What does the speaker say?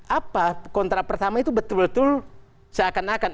apa kontrak pertama itu betul betul seakan akan